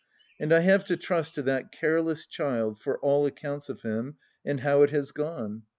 . And I have to trust to that careless child for all accoimts of him and how it has gone.